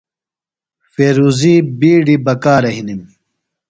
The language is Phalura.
فیروزی بِیڈیۡ بکارہ ہِنم۔